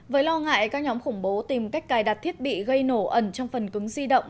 với lo ngại các nhóm khủng bố tìm cách cài đặt thiết bị gây nổ ẩn trong phần cứng di động